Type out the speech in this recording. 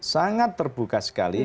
sangat terbuka sekali